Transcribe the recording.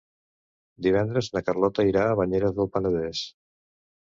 Divendres na Carlota irà a Banyeres del Penedès.